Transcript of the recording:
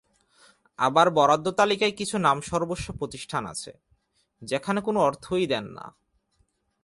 আবার বরাদ্দ তালিকায় কিছু নামসর্বস্ব প্রতিষ্ঠান আছে, যেখানে কোনো অর্থই দেন না।